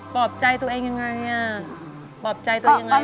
ปอบใจตัวเองยังไง